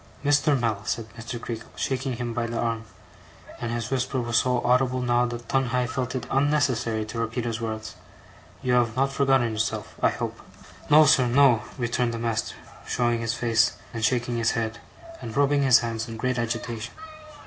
'Mr. Mell,' said Mr. Creakle, shaking him by the arm; and his whisper was so audible now, that Tungay felt it unnecessary to repeat his words; 'you have not forgotten yourself, I hope?' 'No, sir, no,' returned the Master, showing his face, and shaking his head, and rubbing his hands in great agitation.